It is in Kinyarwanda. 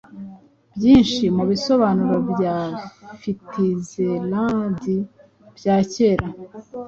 byinshi mubisobanuro bya Fitzgerald bya kera